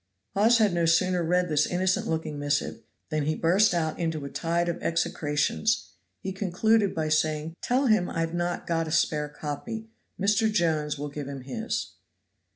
Hawes had no sooner read this innocent looking missive, than he burst out into a tide of execrations; he concluded by saying, "Tell him I have not got a spare copy; Mr. Jones will give him his."